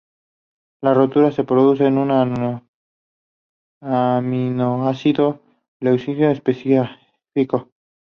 La rotura se produce en un aminoácido leucina específico.